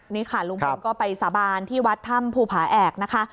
นี่ค่ะลุงพลก็ไปสาบานที่วัดถ้ำภูผาแอกนะคะ